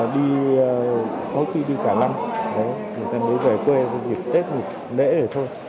đi hồi khi đi cả năm người ta mới về quê việc tết việc lễ thôi